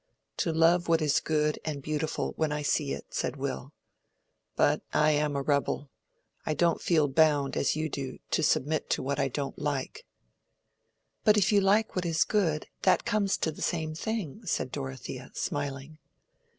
"To love what is good and beautiful when I see it," said Will. "But I am a rebel: I don't feel bound, as you do, to submit to what I don't like." "But if you like what is good, that comes to the same thing," said Dorothea, smiling.